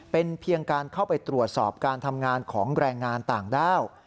เป็นเพียงการเข้าไปตรวจสอบการทำงานของแรงงานต่างด้าว